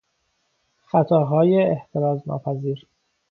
خطاهای احتراز ناپذیر